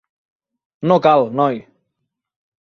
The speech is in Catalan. No cal, noi.